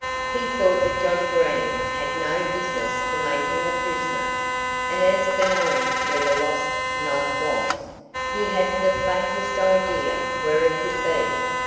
He thought that Johnnie Green had no business to make him a prisoner. And as for knowing where the lost knife was, he hadn't the faintest idea where it could be.